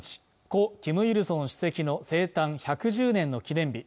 故金日成主席の生誕１１０年の記念日